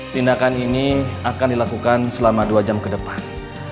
tindakan ini akan dilakukan selama dua jam ke depan